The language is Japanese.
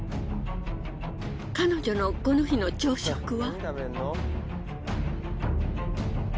彼女のこの日の朝食は。